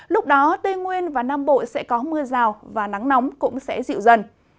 lúc đó tây nguyên và nam bộ sẽ có mưa rào và nắng nóng cũng sẽ dịu dần